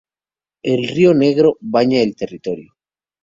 El río Negro baña el territorio.